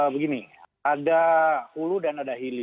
begini ada ulu dan ada hilir